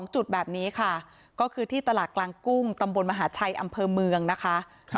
จุดแบบนี้ค่ะก็คือที่ตลาดกลางกุ้งตำบลมหาชัยอำเภอเมืองนะคะ